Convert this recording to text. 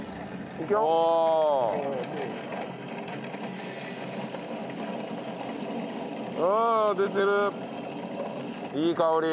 いい香り。